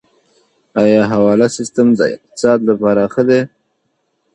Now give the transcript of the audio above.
آیا حواله سیستم د اقتصاد لپاره ښه دی؟